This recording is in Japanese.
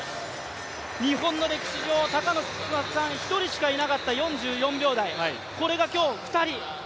日本の歴史上、高野進さん１人しかいなかった４４秒台、これが今日、２人。